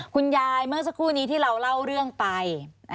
เมื่อสักครู่นี้ที่เราเล่าเรื่องไป